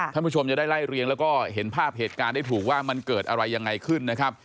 ท่านผู้ชมจะได้ไล่เรียงแล้วก็เห็นภาพเหตุการณ์ได้ถูกว่ามันเกิดอะไรยังไงขึ้นนะครับ